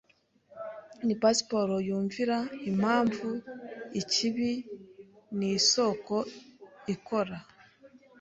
ni pasiporo yumvira impamvu ikibi nisoko ikora